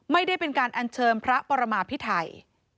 ไม่ได้เป็นการอัญเชิญพระปรมาพิไทย